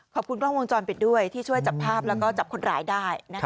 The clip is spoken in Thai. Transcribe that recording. ขอบคุณกล้องวงจรไปที่ช่วยจับภาพแล้วก็จับคนหลายได้